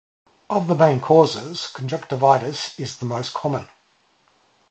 Of the many causes, conjunctivitis is the most common.